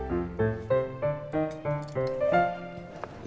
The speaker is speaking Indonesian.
tidak ada yang bisa dikawal